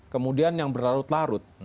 kemudian yang berlarut larut